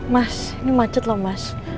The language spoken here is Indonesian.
mas ini macet loh mas